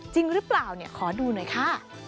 จริงหรือเปล่าขอดูหน่อยค่ะ